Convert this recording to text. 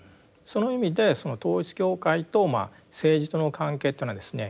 その意味で統一教会と政治との関係っていうのはですね